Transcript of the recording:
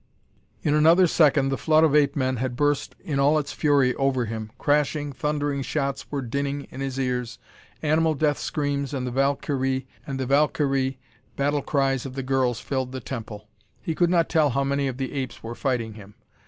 In another second the flood of ape men had burst in all its fury over him. Crashing, thundering shots were dinning in his ears, animal death screams and the Valkyrie battle cries of the girls filled the temple. He could not tell how many of the apes were fighting him.